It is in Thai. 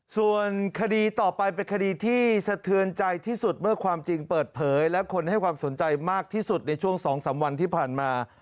ส่วนคดีต่อไปเป็นคดีที่สะเทือนใจที่สุดเมื่อความจริงเปิดเผยและคนให้ความสนใจมากที่สุดในช่วง๒๓วันที่ผ่านมา